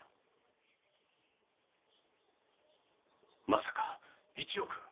まさか１億！？